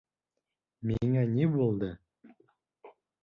Миңә ни булды?